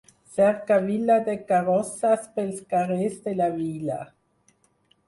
Cercavila de carrosses pels carrers de la vila.